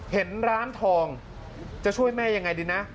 เห็นร้านทองจะช่วยแม่ยังไงดีนะ